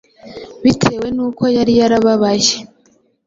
bitewe n’uko yari yarababaye